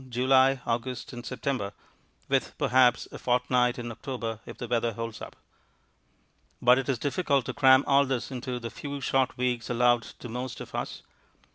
July, August, and September with, perhaps a fortnight in October if the weather holds up. But it is difficult to cram all this into the few short weeks allowed to most of us.